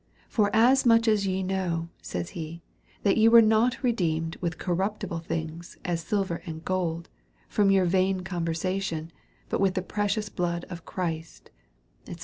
Forasmuch as2/e hnow, says he, that ye were not redeemed with corruptible tilings, as silver and gold, from your vain conversation — but with the precious blood of Christy &c.